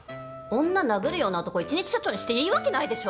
女殴るような男１日署長にしていいわけないでしょ。